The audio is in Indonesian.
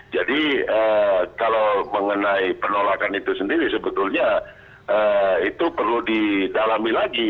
jadi kalau mengenai penolakan itu sendiri sebetulnya itu perlu didalami lagi